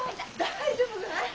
大丈夫かい？